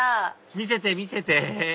見せて見せて！